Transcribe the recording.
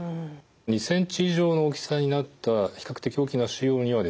２ｃｍ以上の大きさになった比較的大きな腫瘍にはですね